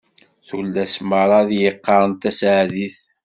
Tullas meṛṛa ad yi-qqarent taseɛdit.